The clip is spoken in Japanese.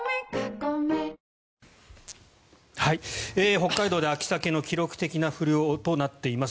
北海道で秋サケの記録的な不漁となっています。